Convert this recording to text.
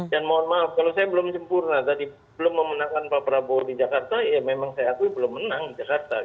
dan mohon maaf kalau saya belum sempurna tadi belum memenangkan pak prabowo di jakarta ya memang saya akui belum menang di jakarta